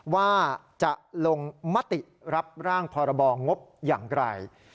ว่าจะลงมติรับร่างพรบงบอย่างไร